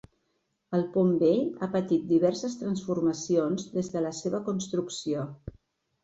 El Pont Vell ha patit diverses transformacions des de la seva construcció.